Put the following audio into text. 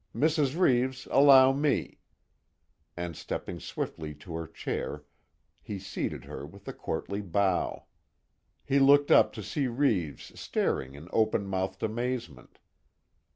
Mrs. Reeves, allow me," and stepping swiftly to her chair he seated her with a courtly bow. He looked up to see Reeves staring in open mouthed amazement.